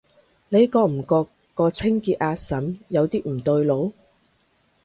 你覺唔覺個清潔阿嬸有啲唔對路？